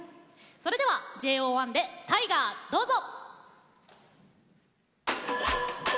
それではＪＯ１で「Ｔｉｇｅｒ」どうぞ。